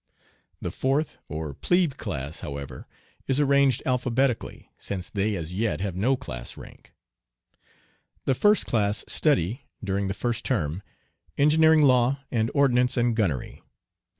The fourth, or "plebe" class, however, is arranged alphabetically since they as yet have no class rank. The first class study, during the first term, engineering law, and ordnance and gunnery.